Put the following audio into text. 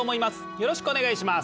よろしくお願いします。